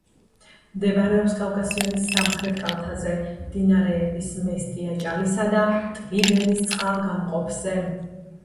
მდებარეობს კავკასიონის სამხრეთ კალთაზე, მდინარეების მესტიაჭალისა და ტვიბერის წყალგამყოფზე.